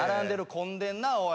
混んでんなおい。